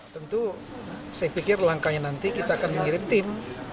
tentu saya pikir langkahnya nanti kita akan mengirim tim